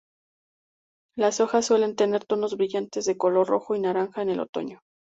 Las hojas suelen tener tonos brillantes de color rojo y naranja en el otoño.